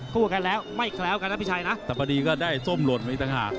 กว่ากันแล้วไม่แคล้วกันนะพี่ชัยนะแต่พอดีก็ได้ส้มหล่นไปอีกต่างหาก